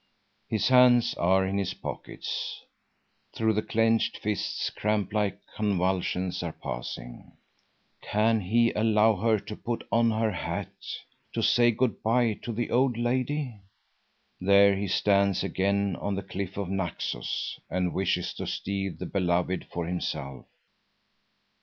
His hands are in his pockets. Through the clenched fists cramp like convulsions are passing. Can he allow her to put on her hat, to say goodbye to the old lady? There he stands again on the cliff of Naxos and wishes to steal the beloved for himself.